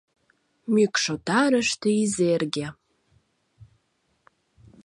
Мӱкшотарыште Изерге